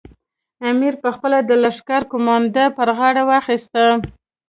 امیر پخپله د لښکر قومانده پر غاړه واخیستله.